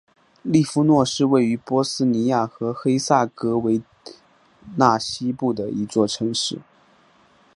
利夫诺是位于波斯尼亚和黑塞哥维纳西部的一座城市。